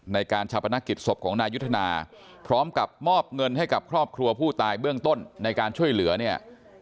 ในการชาปนกิจศพของนายยุทธนาพร้อมกับมอบเงินให้กับครอบครัวผู้ตายเบื้องต้นในการช่วยเหลือเนี่ย